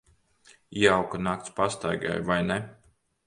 Jauka nakts pastaigai, vai ne?